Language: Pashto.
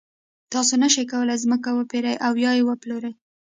تاسو نشئ کولای ځمکه وپېرئ او یا یې وپلورئ.